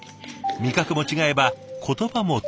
味覚も違えば言葉も通じない。